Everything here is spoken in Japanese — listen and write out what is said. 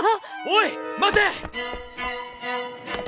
おい待て！